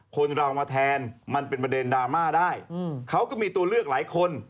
คนเรามาแทนมันเป็นประเด็นดราม่าได้เขาก็มีตัวเลือกหลายคน